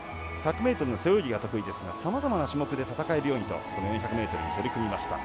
１００ｍの背泳ぎが得意ですがさまざまな種目で戦えるようにとこの４００ｍに取り組みました。